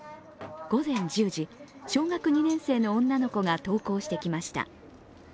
午前１０時、小学２年の女の子が登校してきました。